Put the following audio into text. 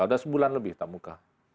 sudah sebulan lebih tetap muka